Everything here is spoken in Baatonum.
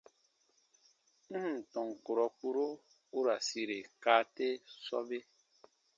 N ǹ tɔn kurɔ kpuro u ra sire kaa te sɔbe.